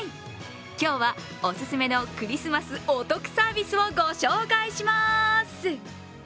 今日はオススメのクリスマスお得サービスをご紹介します。